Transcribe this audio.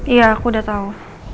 iya aku udah tau